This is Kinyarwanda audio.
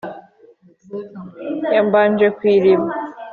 ya mbanje ku iriba